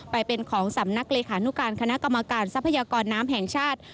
ไปเป็นของสำนักเลขานุการคณะกรรมการทรัพยากรน้ำแห่งชาติ